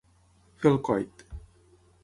Fer el coit.